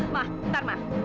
ma bentar ma